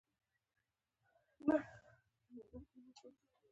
افغانستان د خپلو پسونو له امله اړیکې لري.